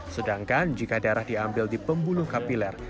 sedangkan jika darah diambil di pembuluh kapiler